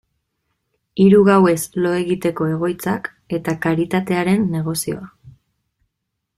Hiru gauez lo egiteko egoitzak eta karitatearen negozioa.